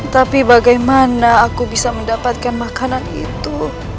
tapi bagaimana aku bisa mendapatkan makanan itu